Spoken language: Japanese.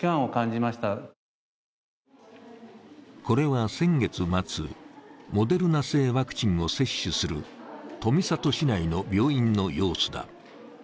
これは先月末、モデルナ製ワクチンを接種する富里市内の病院の様子だ。